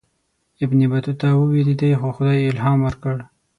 ابن بطوطه ووېرېدی خو خدای الهام ورکړ.